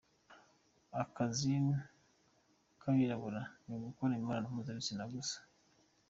Akazi k’abirabura ni ugukora imibonano mpuzabitsina gusa.